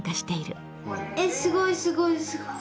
えすごいすごいすごい。